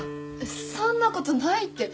そんなことないって。